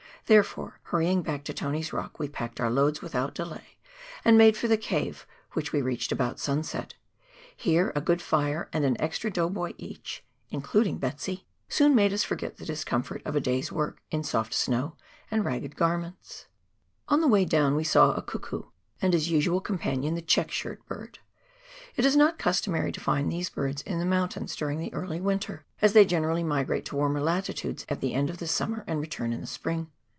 Therefore, hurrying back to Tony's E,ock, we packed our loads without delay, and made for the cave, which we reached about sunset ; here a good fire and an extra dough boy each (including "Betsy ") soon made us forget the discomfort of a day's work in soft snow and ragged garments. On the way down we saw a cuckoo, and his usual companion the " check shirt " bird. It is not customary to find these birds in the mountains during the early winter, as they gen erally migrate to warmer latitudes at the end of the summer and return in the spring.